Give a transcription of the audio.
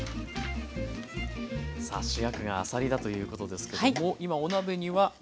さあ主役があさりだということですけども今お鍋には。